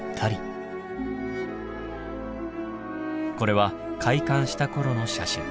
これは開館した頃の写真。